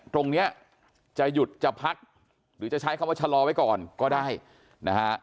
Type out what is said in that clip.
ตรงเนี้ยจะหยุดจะพักหรือจะใช้คำว่าชะลอไว้ก่อนก็ได้นะฮะ